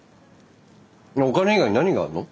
お金以外に何があるの？